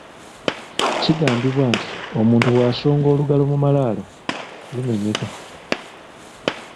Kigambibwa nti omuntu bw'asonga olugalo mu malaalo, lumenyeka.